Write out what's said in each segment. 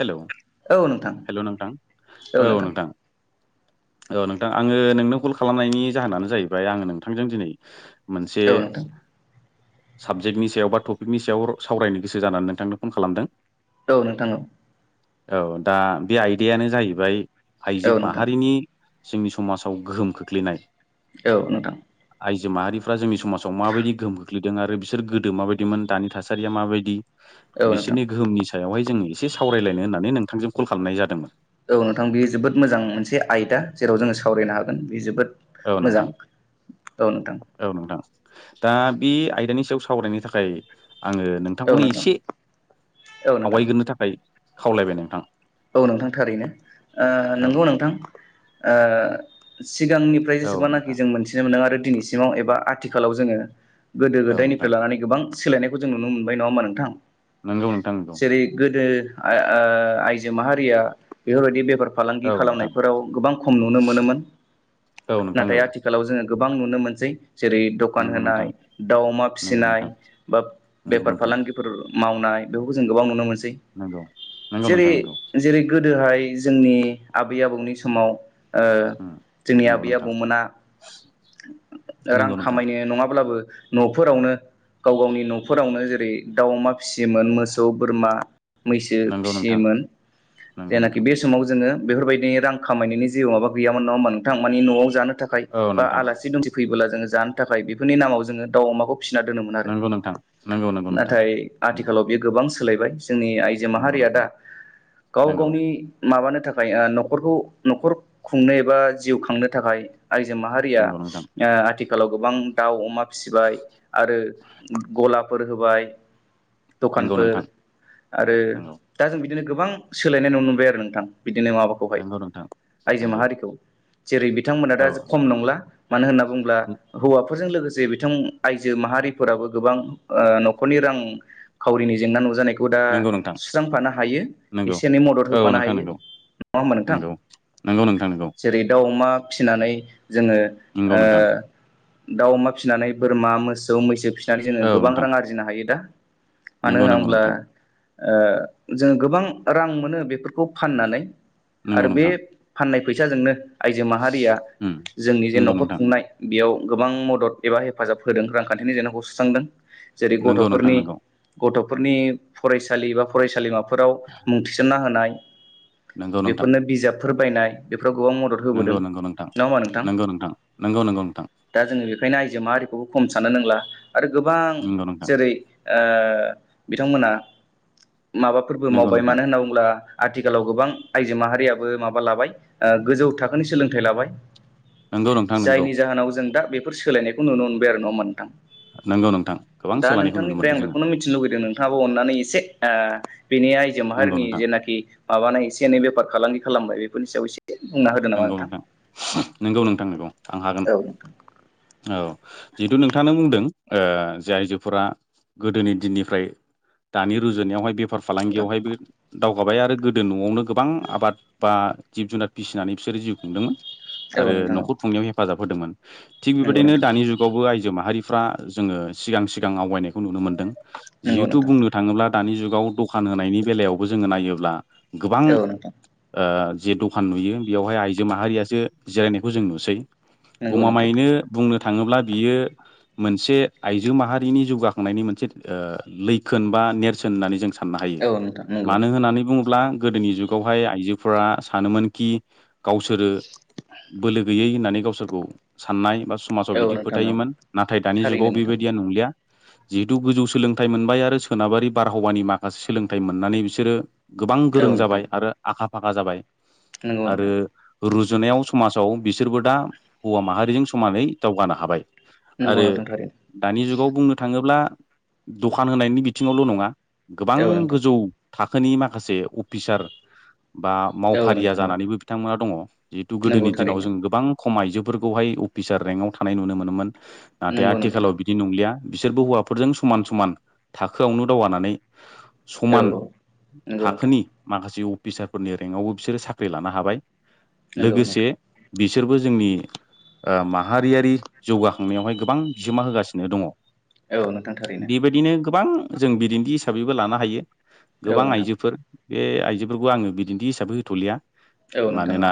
Hello औ नोंथां hello नोंथां औ नोंथां औ नोंथां आङो नोंनाव कल खालामनायनि जाहोनानो जाहैबाय आङो नोंथांजों दिनै मोनसे औ नोंथां साबजेक्टनि सायाव बा टपिकनि सायाव सावरायनो गोसो जानानै नोंथांनो फन खालामदों। औ नोंथां औ। औ दा बे आयदायानो जाहैबाय औ आइजो औ नोंथां माहारिनि जोंनि समाजाव गोहोम खोख्लैनाय। औ नोंथां। आइजो माहारिफ्रा जोंनि समाजाव माबायदि गोहोम खोख्लैदों आरो बिसोर गोदो माबायदिमोन दानि थासारिया माबायदि। औ नोंथां बिसोरनि गोहोमनि सायावहाय जोङो एसे सावरायलायनो होननानै नोंथांजों कल खालामनाय जादोंमोन। औ नोंथां बे जोबोद मोजां मोनसे आयदा जेराव जोङो सावरायनो हागोन बेयो जोबोद औ मोजां नोंथां। औ नोंथां औ नोंथां दा बे आयदानि सायाव सावरायनो थाखाय आङो औ नोंथांखौनो नोंथां एसे औ नोंथां आवगायग्रोनो थाखाय खावलायबाय नोंथां। औ नोंथां थारैनो ओ नंगौ नोंथां ओ सिगांनि फ्राय औ जेसेबांनाखि नोंथां जों मोनन्थिनो मोनदों आरो दिनैसिमाव एबा आथिखालाव जोङो गोदो औ नोंथां गोदायनिफ्राय लानानै गोबां सोलायनायखौ जों नुनो मोनबाय नङा होमबा नोंथां? नंगौ नोंथां नंगौ जेरै गोदो ओ आइजो माहारिया बेफोरबायदि बेफार फालांगि औ नोंथां खालामनायफोराव गोबां खम नुनो मोनोमोन औ नोंथां नाथाय औ आथिखालाव जोङो गोबां नुनो मोनसै। जेरै दखान नंगौ नोंथां होनाय दाउ अमा नंगौ फिसिनाय नोंथां बा नंगौ बेफार नोंथां फालांगिफोर मावनाय। बेखौ जों गोबां नुनो मोनसै नंगौ नंगौ जेरै नोंथां नंगौ। जेरै गोदोहाय जोंनि आबै आबौनि समाव ओ नंगौ उम जोंनि नंगौ आबै नोंथां आबौमोना रां नंगौ नोंथां खामायनो नङाब्लाबो न'फोरावनो गाव गावनि न'फोरावनो जेरै दाउ अमा फिसियोमोन मोसौ बोरमा मैसो नंगौ नोंथां फिसियोमोन। नंगौ जायनाखि नोंथां बे समाव जोङो बेफोरबायदिनि रां खामायनायनि जेबो माबा गैयामोन नङा होमबा नोंथां माने न'आव जानो थाखाय औ बा नोंथां आलासि दुमसि फैयोब्ला जोङो जानो थाखाय बेफोरनि नामाव जोङ दाउ अमाखौ फिसिना दोनोमोन आरो। नंगौ नोंथां नाथाय नंगौ आथिखालाव बे गोबां सोलायबाय जोंनि आइजो नंगौ माहारिया दा नोंथां गाव नंगौ गावनि मा माबानो थाखाय न'खरखौ न'खर खुंनो एबा जिउ खांनो थाखाय आइजो माहारिया नंगौ नोंथां नंगौ नोंथां ओ आथिखालाव गोबां दाउ अमा फिसिबाय आरो गलाफोर होबाय। नंगौ दखानफोर नोंथां आरो नंगौ दा जों बिदिनो गोबां सोलायनाय नुनो मोनबाय आरो नोंथां। बिदिनो माबाखौहाय नंगौ नोंथां आइजो नंगौ माहारिखौ जेरै बिथांमोना दा औ नोंथां खम नंला मानो होनना बुङोब्ला हौवाफोरजों लोगोसे जे बिथां आइजो माहारिफोराबो गोबां ओ न'खरनि रां खावरिनि जेंना नुजानायखौ हुदा नंगौ नोंथां सुस्रांफानो हायो। नंगौ एसे एनै मदद औ होफानो नोंथां हायो नंगौ नङा होमबा नोंथां नंगौ नंगौ नोंथां जेरै दाउ अमा फिसिनानै जोङो नंगौ नंगौ नोंथां ओ दाउ अमा फिसिनानै बोरमा मोसौ मैसो फिसिनानै जोङो औ गोबां नोंथां रां आरजिनो हायो दा। मानो नंगौ नंगौ होनोब्ला नोंथां ओ जोङो गोबां। रां मोनो बेफोरखौ फाननानै नंगौ आरो बे नोंथां फाननाय फैसाजोंनो आइजो माहारिया उम जोंनि जे नंगौ न'खर नोंथां खुंनाय बेयाव गोबां मदद एबा हेफाजाब होदों रांखान्थिनि जेंनाखौ सुस्रांदों। जेरै नंगौ नोंथां गथ'फोरनि गथ'फोरनि फरायसालि बा फरायसालिमाफोराव मुं थिसन्ना होनाय नंगौ नंगौ नोंथां बेफोरनो बिजाबफोर बायनाय बेफो राव गोबां मदद होबोदों नंगौ नंगौ नोंथां नङा होमा नोंथां? नंगौ नोंथां दा जोङो बेखायनो आइजो माहारिखौबो खम सानो नोंला आरो गोबां नंगौ जेरै ओ बिथांमोना माबाफोरबो नंगौ मावबाय नोंथां मानो होनना बुंब्ला आथिखालाव गोबां आइजो माहारियाबो माबा लाबाय ओ गोजौ थाखोनि सोलोंथाइ लाबाय नंगौ नोंथां नंगौ नोंथां जायनि जाहोनाव जों दा बेफोर सोलायनायखौ नुनो मोनबाय आरो नंङा होमब्ला नोंथां नंगौ नोंथां नंगौ नोंथां गोबां दा सोलायनायखौ नुनो नोंथांनिफ्राय मोनदों आं जोङो बेखौनो मिथिनो लुुबैदों नोंथाङाबो अननानै एसे ओ बेनि आइजो नंगौ माहारिनि नोंथां जेनाखि माबानाय एसे एनै बेफार फालांगि खालामबाय बेफोरनि सायाव एसे बुंना होदो नामा नंगौ नोंथां नंगौ नोंथां नंगौ आं हागोन औ औ जिहेथु नोंथाङा बुंदों ओ जे आइजोफोरा गोदोनि दिननिफ्राय दानि रुजुनायावहाय बेफार नोंथां फालांगियावहाय बे दावगाबाय आरो गोदो न'आवनो गोबां आबाद बा जिब जुनार फिसिनानै बिसोरो जिउ खुंदोंमोन औ आरो नोंथां औ न'खर खुंनायाव हेफाजाब होदोंमोन थिग नंगौ बेबायदिनो नोंथां दानि जुगावबो आइजो माहारिफ्रा जोङो सिगां सिगां आवगायनायखौ नुनो मोनदों नंगौ जिहेथु नोंथां बुंनो थाङोब्ला दानि जुगाव दखान होनायनि बेलायावबो जोङो नायोब्ला गोबां औ नोंथां ओ जे दखान नुयो बेवहाय आइजो माहारियासो जिरायनायखौ जों नुसै नंगौ नोंथां गमामायैनो बुंनो थाङोब्ला बियो मोनसे आइजो माहारिनि जौगाखांनायनि मोनसे लैखोन बा नेरसोन होननानै जों साननो हायो औ नोंथां नंगौ मानो होननानै बुङोब्ला गोदोनि जुगावहाय आइजोफोरा सानोमोनखि गावसोरो बोलो गैयै होननानै गावसोरखौ साननाय बा समाजाव औ बिदि नोंथां औ फोथायोमोन नाथाय दानि थारैनो जुगाव नोंथां बेबायदिया नंलिया जिहेथु गोजौ सोलोंथाइ मोनबाय आरो सोनाबारि बारहावानि माखासे सोलोंथाइ मोननानै बिसोरो गोबां गोरों जाबाय आरो आखा फाखा जाबाय नोंगौ आरो नोंथां रुजुनायाव समाजाव बिसोरबो दा हौवा माहारिजों समानै दावगानो हाबाय नंगौ आरो नोंथां थारैनो दानि जुगाव बुंनो थाङोब्ला दखान होनायनि बिथिङावल' नङा गोबां औ नोंथां गोजौ थाखोनि माखासे अफिसार बा औ मावफारिया नोंथां औ जानानैबो बिथांमोना दङ जिहेतु नंगौ गोदोनि दिनाव थारैनो जों गोबां खम आजोफोरखौहाय अफिसार रेंकआव थानाय नुनो मोनोमोन नाथाय नंगौ नोंथां आथिखालाव बिदि नंलिया बिसोरबो हौवाफोरजों समान समान थाखोआवनो दावगानानै औ समान नंगौ नोंथां थाखोनि माखासे अफिसारफोरनि रेंकावबो बिसोरो साख्रि लानो हाबाय नंगौ लोगोसे नोंथां बिसोरबो जोंनि ओ माहारियारि जौगा खांनायावहाय गोबां बिहोमा होगासिनो दङ औ नोंथां थारैनो बेबायदिनो गोबां जों बिदिन्थि हिसाबैबो लानो हायो औ गोबां नोंथां आइजोफोर बे आइजोफोरखौ आङो बिदिन्थि हिसाबै होथ'लिया औ नोंथां औ मानोना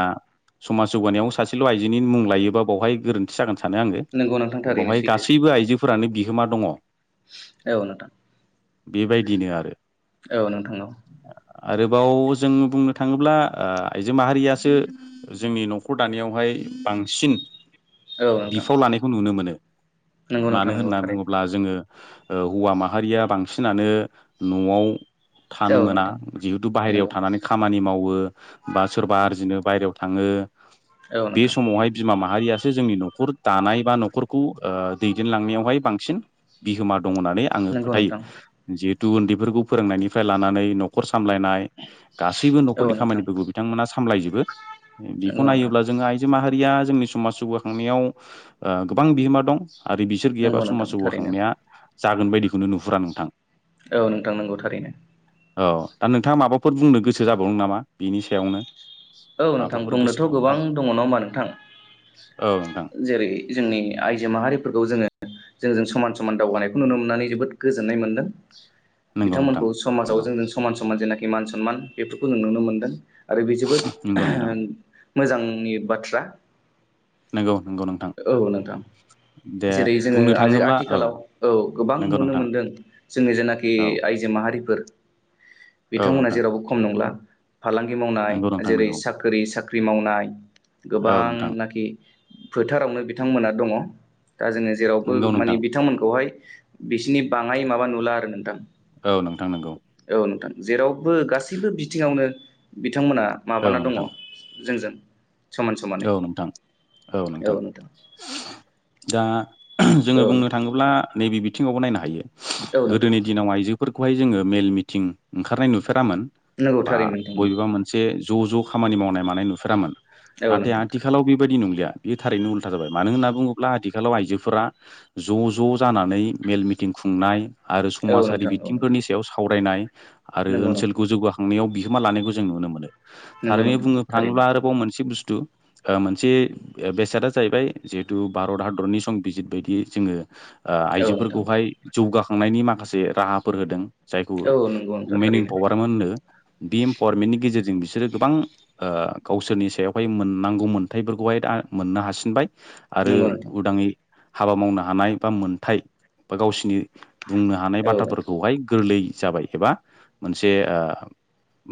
समाज जौगानायाव सासेल' आइजोनि मुं लायोबा बावहाय गोरोन्थि जागोन सानो आङो नंगौ नोंथां थारैनो बावहाय सैथो गासैबो आइजोफोरानो बिहोमा दङ औ नोंथां बेबायदिनो आरो औ नोंथां औ आरोबाव जों बुंनो थाङोब्ला ओ आइजो माहारियासो जोंनि न'खर दानायावहाय बांसिन औ नोंथां बिफाव लानायखौ नुनो मोनो नंगौ नोंथां मानो नंगौ होनना थारैनो बुङोब्ला जोङो हौवा माहारिया बांसिनानो न'आव औ थानो मोना नोंथां जिहेथु नंगौ बाहेरायाव थानानै खामानि मावो बा सोरबा आरजिनो बायहेरायाव थाङो औ बे नोंथां समावहाय बिमा माहारिया सो जोंनि न'खर दानाय बा न'खरखौ दैदेनलांनायावहाय बांसिन बिहोमा दं होननानै आङो नंगौ फोथायो नोंथां जिहुथे उन्दै फोरखौ फोरोंनायनि लानानै न'खर सा सामलायनाय गासैबो औ न'खरनि नोंथां खामानिफोरखौ बिथांमोना सामलायजोबो बेखौ नंगौ नोंथां नायोब्ला जोंङो आइजो माहारिया जोंनि समाज जौगाखांनायाव गोबां बिहोमा दं। आरो बिसोर गैयाबा नंगौ नोंथां समाज थारैनो जौगाखांनाया जागोन बायदिखौनो नुहुरा नोंथां। औ नोंथां नांगौ थारैनो। औ दा नोंथाङा माबाफोर बुंनो गोसो जाबावनो नामा बिनि सायावनो। औ नोंथां माबाफोर बुंनोथ' गोबां गोसोखांथाव दंङ नड़ा होनबा नोंथां? औ नोंथां जेरै जोंनि आइजो माहारिफोरखौ जोंङो जोंजों समान- समान दावगानायखौ नुनो मोननानै जोबोद गोजोननाय मोनदों। नंगौ नोंथां बिथांमोनखौ समाजाव नंगौ जों समान -समान जेनाखि मान सनमान बेफोरखौ जों नुनो मोनदों। आरो बे जोबोद नंगौ नोंथां मोजांनि बाथ्रा नोंगौ नों औ नोंथां जेरै जोंङो बुंनो आजो थाङोब्ला आथिखालाव औ गोबां नंगौ नुनो नोंथां मोनदों जोंनि जेनाखि औ आइजो माहारिफोर औ बिथांमोना नोंथां जेरावबो खम नंला फालांगि मावनाय नंगौ नोंथां जेरै नंगौ बै साख्रि मावनाय औ नोंथां गोबांनाखि फोथारावनो बिथांमोना दङ दा जोंङो जेरावबो नंगौ माने नोंथां बिथांमोनखौहाय बिसिनि बाङाय माबा नुला आरो नोंथां औ नोंथां नंगौ औ नोंथां जेराव बो गासिबो बिथिङावनो बिथांमोना औ माबाना दंङ नोंथां जोंजों समान समानै औ नोंथां औ नोंथां दा औ जोंङो बुंनो नोंथां थांङोब्ला नैबे बिथिङावबो नायनो हायो औ नोंथां गोदोनि दिनाव आइजो फोरखौहाय जोंङो मेल मिथिं ओंखारनाय नुफेरामोन नंगौ बा थारैनो नोंथां बबेबा मोनसे ज ज खामानि मावनाय मानाय नुफेरामोन औ नाथाय नोंथां आथिखालाव बेबायदि नंलिया बेयो थारैनो उल्था जाबाय मानो होनना बुंङोब्ला आथिखालाव आइजोफोरा ज ज जानानै मेल मिटिं खुंनाय आरो औ समाजारि नोंथां औ नोंथां बिथिंफोरनि सायाव सावरायनाय आरो नंगौ नोंथां ओनसोलखौ जौगाखांनायाव बि होमा लानायखौ जों नुनो मोनो नंगौ थारैनो नोंथां बुंनो थारैनो थांङोब्ला आरोबाव मोनसे बुस थु मोनसे बेसादा जाहैबाय जिहेतु भारत हादरनि संबिजित बायदि जोंङो ओ औ नोंथां आइजोफोरखौहाय जौगाखांनायनि माखासे राहाफोर होदों जायखौ औ नंगौ नोंथां अमेन थारैनो इम्पावारमेन्ट होनो बे इम्पावारमेन्टनि गेजेर जों बिसोरो गोबां ओ गावसोरनि सायावहाय मोननांगौ मोन्थायफोरखौहाय दा मोननो हासिनबाय आरो नंगौ नोंथां उदाङै हाबा मावनो हानाय बा मोनथाय बा गावसिनि बुंनो हानाय औ नोंथां बाथ्राफोरखौहाय गोरलै जाबाय एबा मोनसे ओ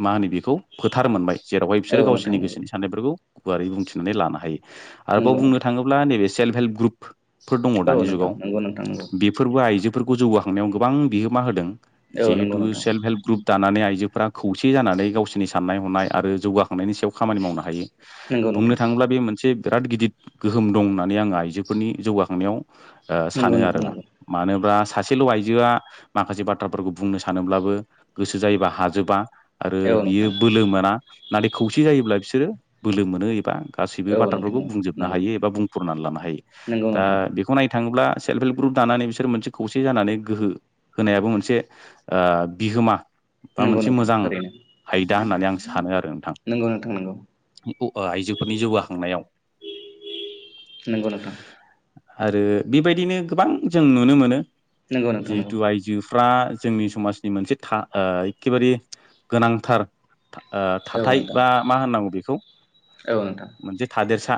मा होनो बि खौ फोथार मोनबाय जेरावहाय बिसोरो औ नोंथां गावसिनि गोसोनि साननायफोरखौ गुवारै बुंथिनानै लानो हायो आरोबाव नंगौ बुंनो थांङोब्ला नैबे सेल्फ हेल्प ग्रुप फोर दंङ नंगौ दानि नोंथां जुगाव बेफोरबो आइजो फोरखौ जौगाखांनायाव गोबां बिहोमा होदों औ जिहेतु नोंथां सेल्फ हेल्प ग्रुप दानानै आइ जोफ्रा खौसे जानानै गावसोरनि साननाय हनाय आरो जौगाखांनायनि सायाव खामानि मावनो हायो नंगौ नोंथां नंगौ औ नंगौ बुंनो नोंथां थांङोब्ला बे मोनसे बिराद गिदिर गोहोम दं होननानै आङो आइजोफोरनि जौगाखांनायाव ओ नंगौ सानो नोंथां नंगौ नोंथां आरोना नंगौ मानोबा सासेल आइजोआ माखासे बाथ्राफोरखौ बुंनो सानोब्लाबो गोसो जायोबा हाजोबा आरो औ नोंथां बियो बोलो मोना नाथाय खौसे जायोब्ला बिसोरो बोलो मोनो एबा गासैबो औ नोंथां बाथ्राफोरखौ बुंजोबनो नंगौ हायो एबा बुंफुरनानै लानो हायो नंगौ दा नोंथां बेखौ नायनो थांङोब्ला सेल्फ हेल्प ग्रुप दानानै बिसोर मोनसे खौसे जानानै गोहो होनायाबो मोनसे ओ बिहोमा बा नंगौ मोनसे नोंथां मोजां थारैनो आयदा होननानै आं सानो आरो नोंथां नंगौ नोंथां नंगौ [unintelligible] आइजोफोरनि जौगाखांनायाव [inaudible] नंगौ नोंथां आरो बेबायदिनो गोबां जों नुनो मोनो नंगौ नोंथां नंगौ जिहेथु आयजो फ्रा जोंनि समाजनि मोनसे था ओ एखेबारे गोनांथार थां ओ औ थाथाय नोंथां बा मा होननांगौ बेखौ औ नोंथां मोनसे थादेरसा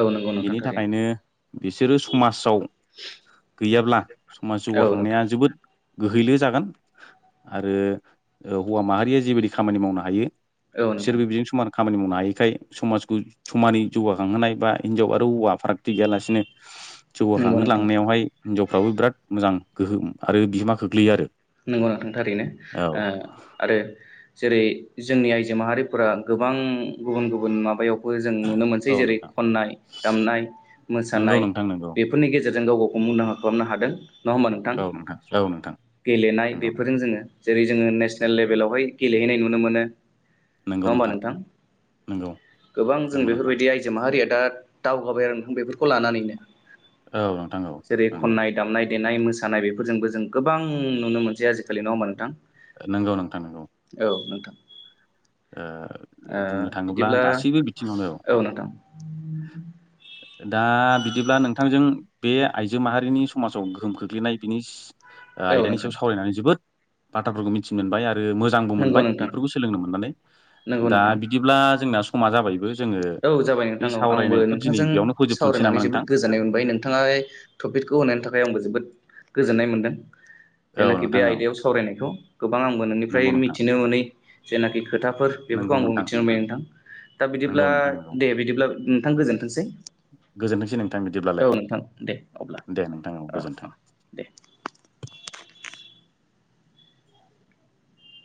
औ नंगौ नोंथां बिनि थारैनो थाखायनो बिसोरो समाजाव गैयाब्ला समाज औ नोंथां जौगाखांनाया जोबोद गोहैले जागोन आरो हौवा माहारिया जिबायदि खामानि मावनो हायो। औ नोंथां बिसोरबो बिजों समान खामानि मावनो हायो। बेखाय समाजखौ समानै जौगाखांहोनाय बा हिनजाव आरो हौवा फारागथि गैयालासिनो नंगौ नोंथां जौगाखांहोलांनायावहाय हिनजावफ्राबो बिराद मोजां गोहोम आरो बिहोमा खोख्लैयो आरो नंगौ नोंथां थारैनो औ ओ आरो जेरै जोंनि आइजो माहारिफोरा गोबां गुबुन गुबुन माबायाव बो जों नुनो मोनसै औ जेरै नोंथां खननाय दामनाय नंगौ मोसानाय नोंथां नंगौ बेफोरनि गेजेर जों गाव गावखौ मुंदांखा खालामनो हादों। नङा होमबा औ नोंथां औ नोंथां। गेलेनाय नंगौ बेफोरजों जोङो जेरै जोङो नेसनेल लेभेलावहाय गेलेहैनाय नुनो मोनो। नङा होमबा नोंथां नंगौ गोबां जों नंगौ नोंथां बेफोरबायदि आइजो माहारिया दा दावगाबाय आरो नोंथां बेफोरखौ लानानैनो औ नोंथां औ जेरै नंगौ खननाय दामनाय देनाय मोसा सानाय बेफोरजोंबो जों गोबां नुनो मोनसै आजिखालि नङा होमबा नोंथां। नंगौ नोंथां नंगौ। औ नोंथां ओ ओ बुंनो थाङोब्ला बिदिब्ला गासैबो बिथिङावनो औ नोंथां दा बिदिब्ला नोंथांजों बे आइजो माहारिनि समाजाव गोहोम खोख्लैनाय बिनि औ आयदानि नोंथां सायाव सावरायनानै जोबोद बाथ्राफोरखौ मिथि मोनबाय आरो आरो मोजांबो नंगौ मोनबाय नोंथां बेफोरखौ सोलोंनो मोननानै नंगौ दा नोंथां बिदिब्ला जोंना समा जाबायबो। जोङो औ जाबाय नोंथां बे औ आंबो सावरायनायखौ दिनै नोंथांजों बेयावनो फोजोबथ'नोसै सावरायनानै नामा जोबोद नोंथां गोजोननाय मोनबाय नोंथाङा टपिकखौ होनायनि थाखाय आंबो जोबोद गोजोन्नाय मोनदों। [inaudible] जेनाखि बे औ आयदायाव सावरायनायखौ गोबां आंबो नोंनिफ्राय नंगौ नोंथां मिथिनो मोनै जेनाखि खोथाफोर बेफोर खौ नंगौ आंबो नोंथां मिथिनो मोनबाय नोंथां दा नंगौ बिदिब्ला नोंथां नंगौ दे बिदिब्ला नोंथां गोजोनथोंसै। गोजोनथोंसै नोंथां औ बिदिब्लालाय नोंथां दे अब्ला दे नोंथां औ गोजोन्थों। दे। [inaudible]